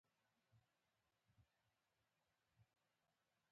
بېنډۍ د فصل له وروستیو سابو ده